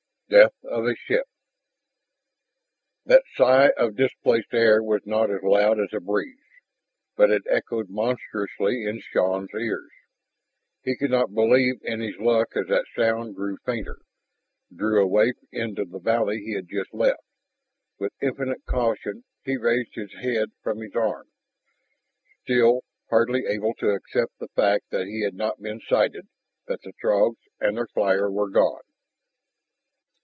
DEATH OF A SHIP That sigh of displaced air was not as loud as a breeze, but it echoed monstrously in Shann's ears. He could not believe in his luck as that sound grew fainter, drew away into the valley he had just left. With infinite caution he raised his head from his arm, still hardly able to accept the fact that he had not been sighted, that the Throgs and their flyer were gone.